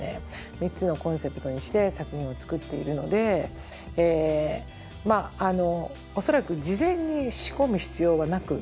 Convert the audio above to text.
３つのコンセプトにして作品を作っているので恐らく事前に仕込む必要はなく。